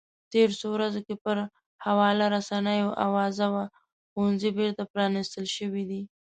تېرو څو ورځو کې پر خواله رسنیو اوازه وه ښوونځي بېرته پرانیستل شوي دي